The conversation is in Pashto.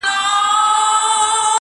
• څخه به بله لاره ورته پاته نه وي، -